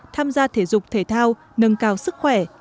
tham gia thể dục thể thao nâng cao sức khỏe